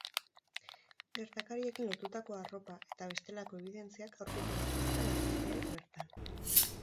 Gertakariekin lotutako arropa eta bestelako ebidentziak aurkitu zituzten agenteek bertan.